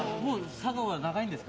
佐賀は長いんですか？